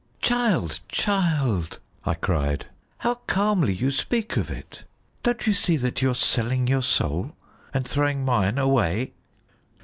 "Child! child!" I cried, "how calmly you speak of it! Don't you see that you are selling your soul and throwing mine away?"